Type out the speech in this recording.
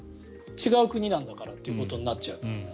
違う国なんだからということになっちゃう。